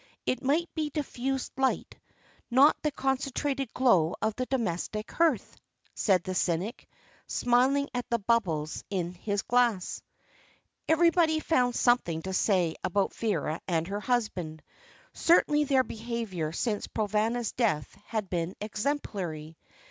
It must be diffused light, not the concentrated glow of the domestic hearth," said the cynic, smiling at the bubbles in his glass. Everybody found something to say about Vera and her husband. Certainly their behaviour since Provana's death had been exemplary.